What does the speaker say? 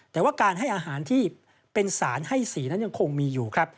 แต่ว่าการให้อาหารที่เป็นสารให้สีนั้นยังคงมีอยู่ครับ